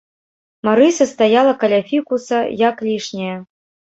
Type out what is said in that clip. Марыся стаяла каля фікуса як лішняя.